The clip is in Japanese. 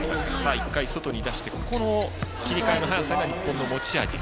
１回外に出してここの日本の切り替えの早さが持ち味。